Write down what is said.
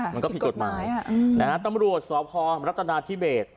มันก็ผิดกฎหมายนะฮะตำรวจสพรัฐนาธิเบส